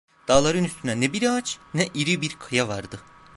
Dağların üstünde ne bir ağaç, ne iri bir kaya vardı.